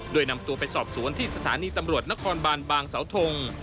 โดยนำตัวไปสอบสวนที่สถานีตำรวจนครบานบางเสาทง